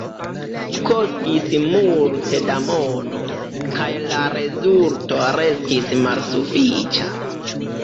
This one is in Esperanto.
Kostis multe da mono, kaj la rezulto restis malsufiĉa.